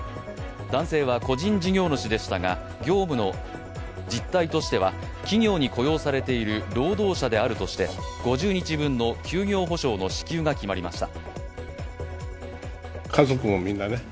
男性は個人事業主でしたが業務の実態としては企業に雇用されている労働者であるとして５０日分の休業補償の支給が決まりました。